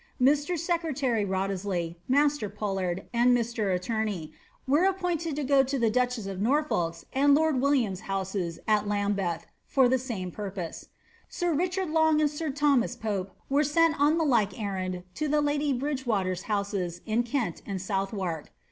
Mr. secretary Wriothesley, master Pollard, and Mr. Attorney, were appointed to go to the duchess of Norfolk^s and lord William's houses at Lambeth, for the same purpose. Sir Richard Long and sir Thomas Pope were sent on the like errand to the lady Bridge water's houses in Kent and Southwark.